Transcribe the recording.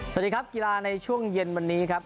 สวัสดีครับกีฬาในช่วงเย็นวันนี้ครับ